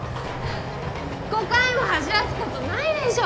５回も走らすことないでしょ